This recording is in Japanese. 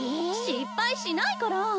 失敗しないから！